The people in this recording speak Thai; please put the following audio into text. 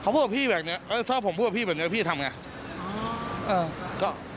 เขาพูดพี่แบบนี้ถ้าผมพูดพี่แบบนี้พี่ทำยังไง